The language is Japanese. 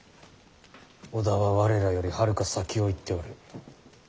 織田は我らよりはるか先を行っておる。